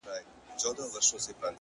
پرون دي بيا راته غمونه راكړل”